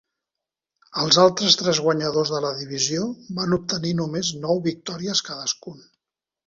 Els altres tres guanyadors de la divisió van obtenir només nou victòries cadascun.